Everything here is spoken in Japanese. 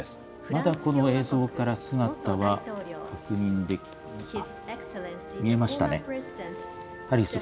まだこの映像から姿は確認、見えましたね。